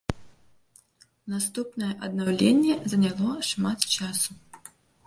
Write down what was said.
Наступнае аднаўленне заняло шмат часу.